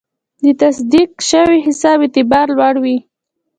د تصدیق شوي حساب اعتبار لوړ وي.